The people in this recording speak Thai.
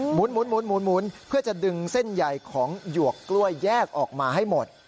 หมุนเพื่อจะดึงเส้นใหญ่ของหยวกกล้วยแยกออกมาให้หมด